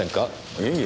いえいえ。